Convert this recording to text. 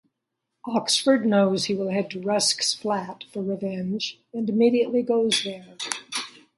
Oxford knows he will head to Rusk's flat for revenge, and immediately goes there.